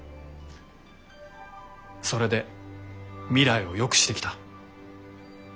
それで未来をよくしてきた。